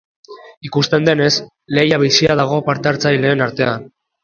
Ikusten denez, lehia bizia dago parte-hartzaileen artean.